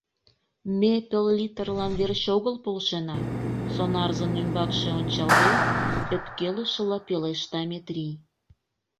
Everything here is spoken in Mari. — Ме пеллитрлан верч огыл полшена, — сонарзын ӱмбакше ончалде, ӧпкелышыла пелешта Метрий.